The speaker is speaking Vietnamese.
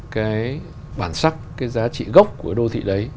cái bản sắc cái giá trị gốc của cái đô thị đấy